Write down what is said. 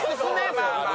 まあまあ。